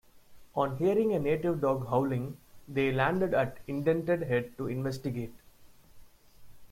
On hearing a native dog howling, they landed at Indented Head to Investigate.